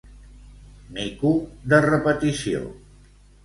Mico de repetició.